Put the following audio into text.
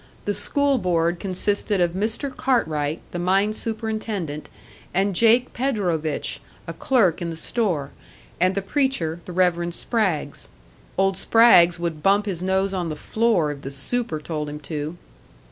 The school board consisted of Mr. Cartwright, the mine superintendent, and Jake Predovich, a clerk in the store, and the preacher, the Reverend Spraggs. Old Spraggs would bump his nose on the floor if the "super" told him to.